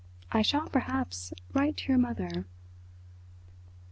I shall, perhaps, write to your mother.